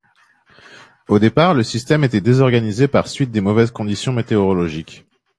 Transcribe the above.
Au départ, le système était désorganisé par suite des mauvaises conditions météorologiques.